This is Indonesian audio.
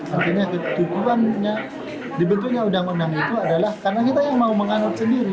artinya ketujuhannya dibentuknya udang undang itu adalah karena kita yang mau mengandung sendiri